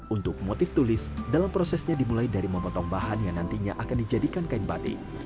untuk motif tulis dalam prosesnya dimulai dari memotong bahan yang nantinya akan dijadikan kain batik